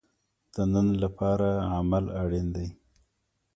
د نن لپاره عمل اړین دی